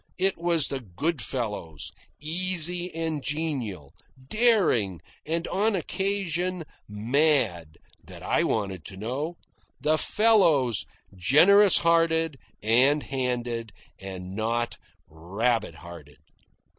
It was the good fellows, easy and genial, daring, and, on occasion, mad, that I wanted to know the fellows, generous hearted and handed, and not rabbit hearted.